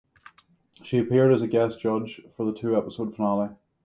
She appeared as a guest judge for the two-episode finale.